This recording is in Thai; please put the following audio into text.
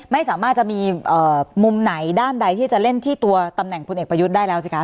ไม่สามารถจะมีมุมไหนด้านใดที่จะเล่นที่ตัวตำแหน่งพลเอกประยุทธ์ได้แล้วสิคะ